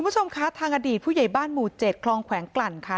คุณผู้ชมคะทางอดีตผู้ใหญ่บ้านหมู่๗คลองแขวงกลั่นค่ะ